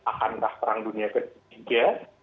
akankah perang dunia ketiga